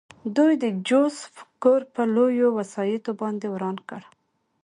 دوی د جوزف کور په لویو وسایطو باندې وران کړ